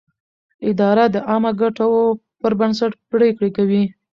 اداره د عامه ګټو پر بنسټ پرېکړې کوي.